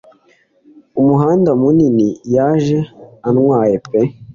Umuhanda munini yaje atwaye pe